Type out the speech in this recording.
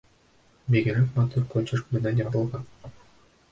Бигерәк матур почерк менән яҙылған.